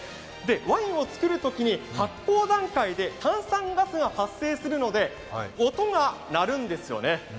ワインを作るときに発酵段階で炭酸ガスが発生するので音が鳴るんですよね。